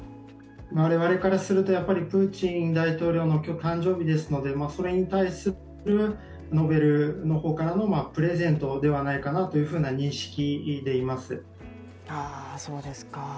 我々からするとやはりプーチン大統領の誕生日ですのでそれに対するノーベルの方からのプレゼントではないかなという認識です。